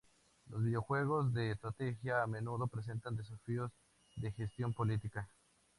Los videojuegos de estrategia a menudo presentan desafíos de gestión política.